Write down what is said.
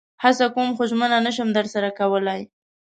هڅه کوم خو ژمنه نشم درسره کولئ